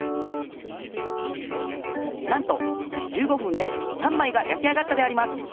なんと１５ふんで３まいがやき上がったであります。